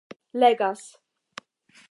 legas